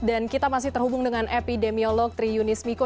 dan kita masih terhubung dengan epidemiolog tri yunis miko